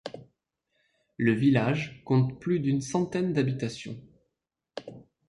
Le village compte plus d'une centaine d'habitations.